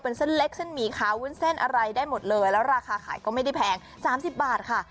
เป็นเส้นเล็กเส้นหมี่ขาวุ้นเส้นอะไรได้หมดเลยแล้วราคาขายก็ไม่ได้แพงสามสิบบาทค่ะ